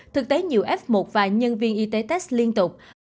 thực tế nhiều f một và nhân viên y tế test liên tục